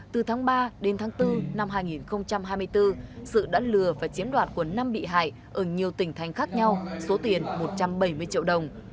từ tháng ba đến tháng bốn năm hai nghìn hai mươi bốn sự đã lừa và chiếm đoạt của năm bị hại ở nhiều tỉnh thành khác nhau số tiền một trăm bảy mươi triệu đồng